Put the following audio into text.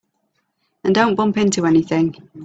And don't bump into anything.